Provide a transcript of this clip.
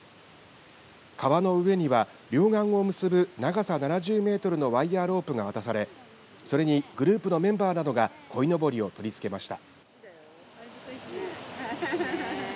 川の上には両岸を結ぶ長さ７０メートルのワイヤーロープが渡されそれにグループのメンバーなどがこいのぼりを取り付けました。